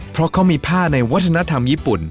เพราะเขามีผ้าในวัฒนธรรมญี่ปุ่น